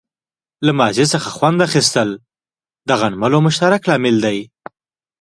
له ماضي څخه خوند اخیستل د غنملو مشترک لامل دی.